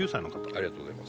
ありがとうございます。